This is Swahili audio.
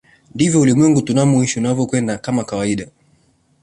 Ndivyo ulimwengu tunamoishi unavyokwenda kama kawaida